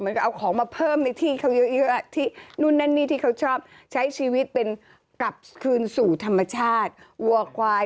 น้องหนุ่มน้องหนุ่มน้องหนุ่มน้องหนุ่มครับ